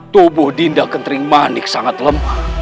tubuh dinda kentring manik sangat lemah